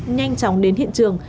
nhanh chóng đến hiện trường